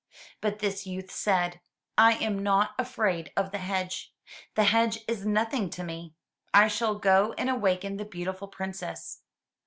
But this youth said, "I am not afraid of the hedge. The hedge is nothing to me. I shall go and awaken the beautiful Princess.